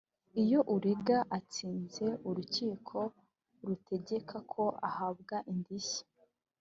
iyo urega atsinze urukiko rutegeka ko ahabwa indishyi